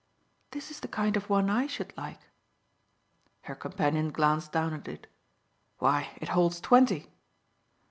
"This is the kind of one I should like." Her companion glanced down at it. "Why it holds twenty."